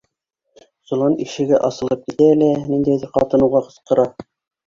Солан ишеге асылып китә лә ниндәйҙер ҡатын уға ҡысҡыра: